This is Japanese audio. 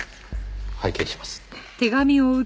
拝見します。